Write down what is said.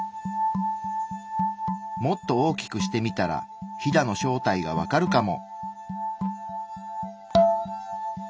もっと大きくしてみたらヒダの正体がわかるかも。